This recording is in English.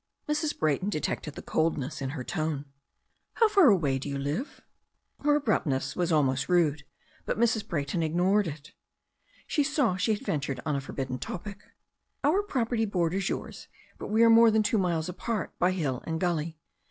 Mrs. Bra)rton detected the coldness in her tone. "How far away do you live?" Her abruptness was almost rude, but Mrs. Brayton ig nored it. She saw she had ventured on a forbidden topic. "Our property borders yours, but we are more than two miles apart by hill and gully.